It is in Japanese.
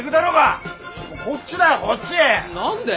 何で？